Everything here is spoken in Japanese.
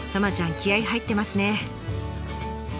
気合い入ってますね！